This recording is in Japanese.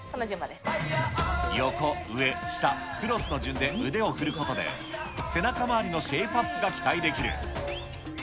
横、上、下、クロスの順で腕を振ることで、背中回りのシェイプアップが期待できる。